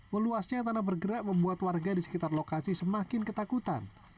meluasnya tanah bergerak membuat warga di sekitar lokasi semakin ketakutan